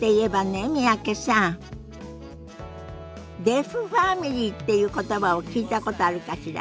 「デフファミリー」っていう言葉を聞いたことあるかしら？